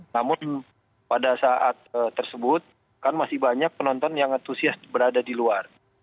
namun pada saat tersebut kan masih banyak penonton yang atusias berada di luar